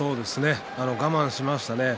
我慢しましたね。